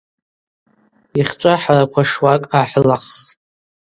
Йахьчӏва хӏара квашуакӏ гӏахӏылаххтӏ.